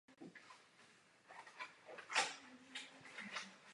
Byl členem brněnského Devětsilu a zapojil se do hnutí české levicové avantgardy.